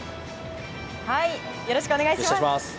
よろしくお願いします。